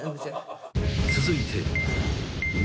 ［続いて］